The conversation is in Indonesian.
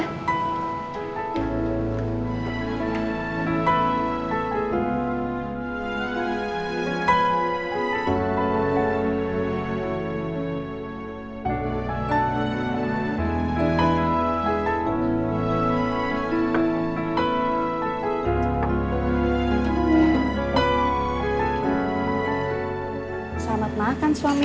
selamat makan suamiku